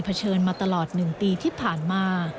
เชิญมาตลอด๑ปีที่ผ่านมา